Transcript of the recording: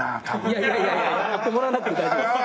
いやいやいやいややってもらわなくて大丈夫です。